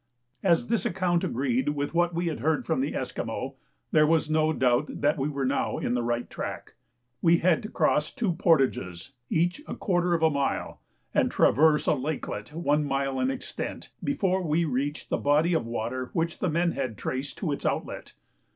As this account agreed with what we had heard from the Esquimaux, there was no doubt that we were now in the right track. We had to cross two portages, each a quarter of a mile, and traverse a lakelet one mile in extent, before we reached the body of water which the men had traced to its outlet.